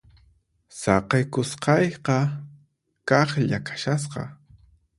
Saqikusqayqa kaqlla kashasqa.